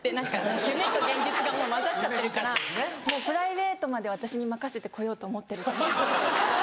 夢と現実がもうまざっちゃってるからプライベートまで私に任せて来ようと思ってると思って。